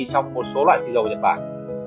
trong một số loại xì dầu nhật bản